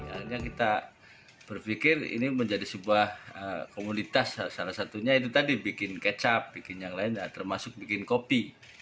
akhirnya kita berpikir ini menjadi sebuah komunitas salah satunya itu tadi bikin kecap bikin yang lain termasuk bikin kopi